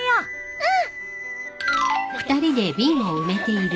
うん。